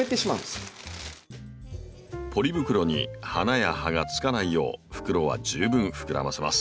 ポリ袋に葉や花がつかないよう袋は十分膨らませます。